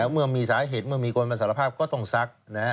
เมื่อมีสาเหตุเมื่อมีคนมาสารภาพก็ต้องซัก